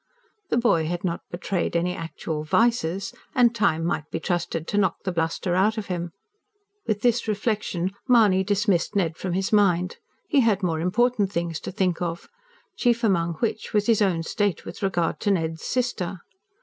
The boy had not betrayed any actual vices; and time might be trusted to knock the bluster out of him. With this reflection Mahony dismissed Ned from his mind. He had more important things to think of, chief among which was his own state with regard to Ned's sister.